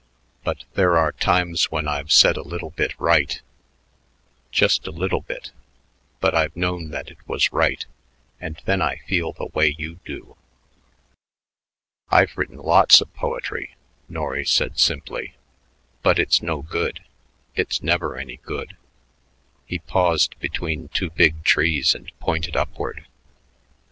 But there are times when I've said a little bit right, just a little bit, but I've known that it was right and then I feel the way you do." "I've written lots of poetry," Norry said simply, "but it's no good; it's never any good." He paused between two big trees and pointed upward.